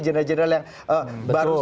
jendela jendela yang baru